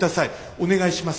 お願いします。